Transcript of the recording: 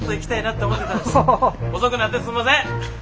遅くなってすんません。